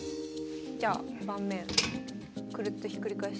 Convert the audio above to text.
じゃあ盤面クルッとひっくり返して。